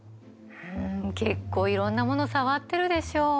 うん結構いろんなもの触ってるでしょ。